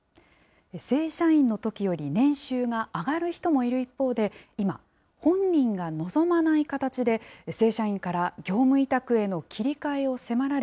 正社員のときより年収が上がる人もいる一方で、今、本人が望まない形で、正社員から業務委託への切り替えを迫られ、